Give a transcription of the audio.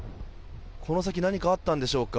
この先何かあったんでしょうか。